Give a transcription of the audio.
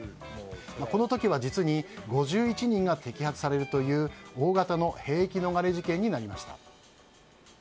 この時は実に５１人が摘発されるという大型の兵役逃れ事件になりました。